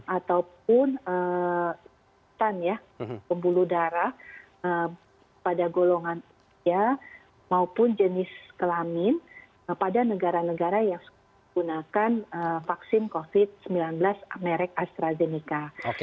ataupun pembuluh darah pada golongan usia maupun jenis kelamin pada negara negara yang menggunakan vaksin covid sembilan belas merek astrazeneca